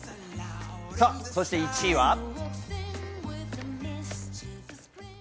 そして、１位は。